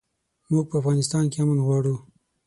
موږ په افغانستان کښې امن غواړو